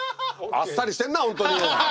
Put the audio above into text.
あっさりしてんな本当に。